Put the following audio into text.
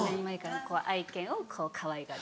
愛犬をこうかわいがる。